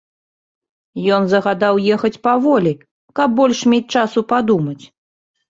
Ён загадаў ехаць паволі, каб больш мець часу падумаць.